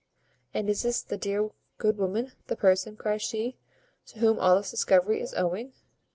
"And is this the dear good woman, the person," cries she, "to whom all this discovery is owing?"